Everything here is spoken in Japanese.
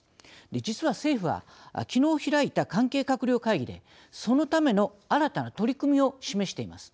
実は、政府はきのう開いた関係閣僚会議でそのための新たな取り組みを示しています。